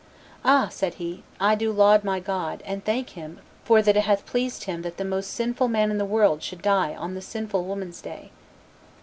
"Ah!" said he, "I do laud my God, and thank Him for that it hath pleased Him that the most sinful man in the world should die on the sinful woman's day!